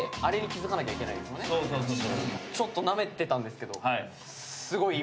ちょっとなめてたんですけど。